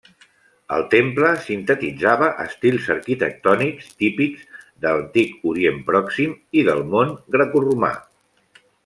El temple sintetitzava estils arquitectònics típics d'Antic Orient Pròxim i del Món grecoromà.